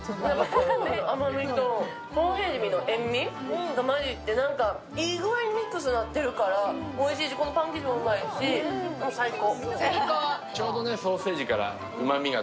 コーンの甘みと、ソーセージの塩みが混じっていい具合にミックスになってるからおいしいし、このパン生地もうまいし、最高！